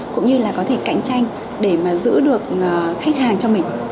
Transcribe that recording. cũng như là có thể cạnh tranh để mà giữ được khách hàng cho mình